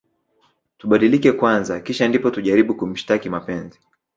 Tubadilike kwanza kisha ndipo tujaribu kumshtaki mapenzi